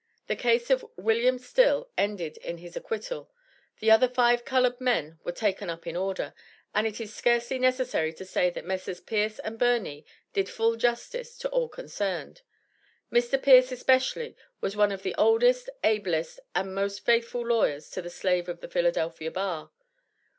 The case of Wm. Still ended in his acquittal; the other five colored men were taken up in order. And it is scarcely necessary to say that Messrs. Peirce and Birney did full justice to all concerned. Mr. Peirce, especially, was one of the oldest, ablest and most faithful lawyers to the slave of the Philadelphia Bar.